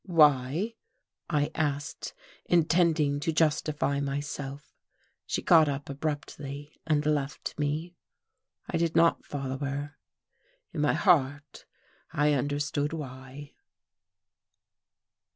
"Why?" I asked, intending to justify myself. She got up abruptly, and left me. I did not follow her. In my heart I understood why....